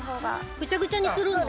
ぐちゃぐちゃにするんだ。